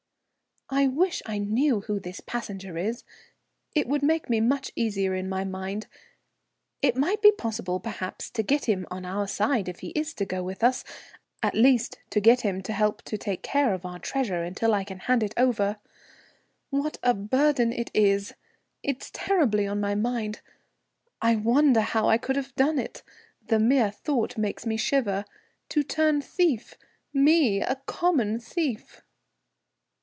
"I wish I knew who this passenger is. It would make me much easier in my mind. It might be possible perhaps to get him on our side if he is to go with us, at least to get him to help to take care of our treasure until I can hand it over. What a burden it is! It's terribly on my mind. I wonder how I could have done it. The mere thought makes me shiver. To turn thief! Me, a common thief!"